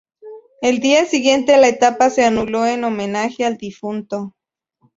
El día siguiente la etapa se anuló en homenaje al difunto.